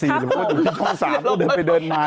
หรือที่ท่อง๓ก็เดินไปเดินมา